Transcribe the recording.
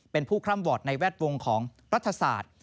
เป็นผู้คล่ำวอร์ดในแวดวงของรัฐศาสตร์